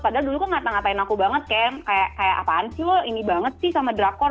padahal dulu aku ngata ngatain aku banget kayak apaan sih wah ini banget sih sama drakor